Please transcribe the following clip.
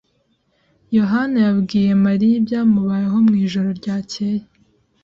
Yohani yabwiye Mariya ibyamubayeho mwijoro ryakeye.